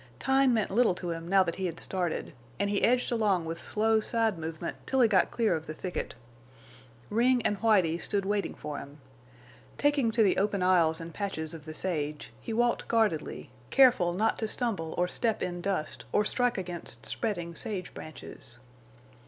Time meant little to him now that he had started, and he edged along with slow side movement till he got clear of the thicket. Ring and Whitie stood waiting for him. Taking to the open aisles and patches of the sage, he walked guardedly, careful not to stumble or step in dust or strike against spreading sage branches.